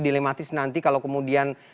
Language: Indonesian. dilematis nanti kalau kemudian